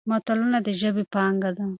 متلونه د ژبې پانګه ده.